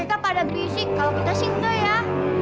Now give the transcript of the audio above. kita pada berisik kalau kita singgah ya